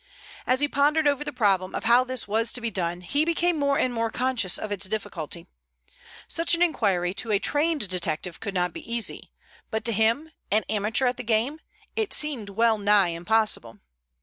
As he pondered over the problem of how this was to be done he became more and more conscious of its difficulty. Such an inquiry to a trained detective could not be easy, but to him, an amateur at the game, it seemed well nigh impossible.